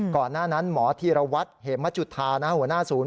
ก่อนหน้านั้นหมอธีรวัตรเหมจุธาหัวหน้าศูนย์